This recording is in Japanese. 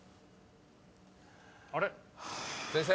あれっ？先生？